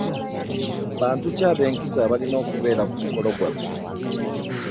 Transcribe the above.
Bantu ki abenkizo abalina okubeera ku mukolo gwaffe?